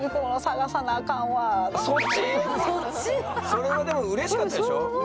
それはでもうれしかったでしょ？